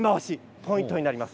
ポイントになります。